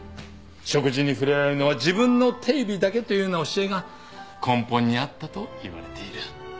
食事に触れられるのは自分の手指だけというような教えが根本にあったといわれている。